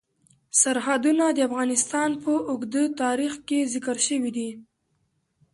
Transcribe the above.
سرحدونه د افغانستان په اوږده تاریخ کې ذکر شوی دی.